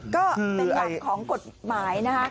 ก็เป็นหลักของกฎหมายนะคะ